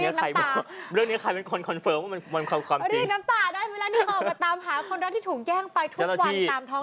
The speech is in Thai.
น้ำตาได้เวลานี้มาตามหาคนรักที่ถูกแย่งไปทุกวันตามท้องถนน